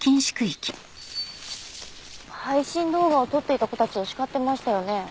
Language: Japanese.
配信動画を撮っていた子たちを叱ってましたよね？